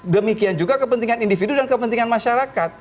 demikian juga kepentingan individu dan kepentingan masyarakat